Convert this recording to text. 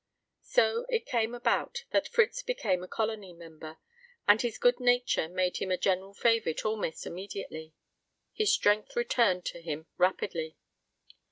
So it came about that Fritz became a Colony member, and his good nature made him a general favorite almost immediately. His strength returned to him rapidly.